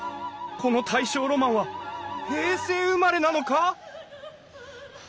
この大正ロマンは平成生まれなのか！？